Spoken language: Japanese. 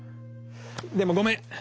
でもごめん。